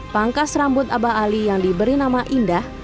pangkas rambut abah ali yang diberi nama indah